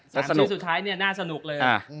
สามชื่อสุดท้ายเนี่ยน่าสนุกเลย